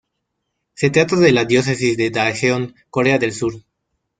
Se trata de la diócesis de Daejeon, Corea del Sur.